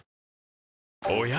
おや？